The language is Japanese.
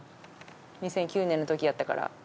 ２００９年のときやったから。